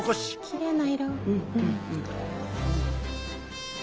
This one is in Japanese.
きれいな色。